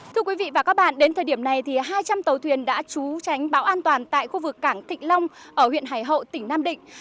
thưa quý vị và các bạn đến thời điểm này hai trăm linh tàu thuyền đã trú tránh bão an toàn tại khu vực cảng thịnh long ở huyện hải hậu tỉnh nam định